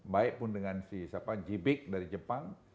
baik pun dengan si siapa jibik dari jepang